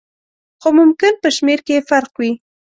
خو ممکن په شمېر کې یې فرق وي.